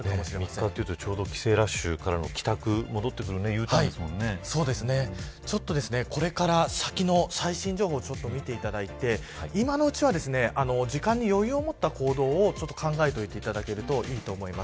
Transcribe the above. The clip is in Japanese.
３日というとちょうど帰省ラッシュからの帰宅ちょっとこれから先の最新情報を見ていただいて今のうちは時間に余裕をもった行動を考えといていただけるといいと思います。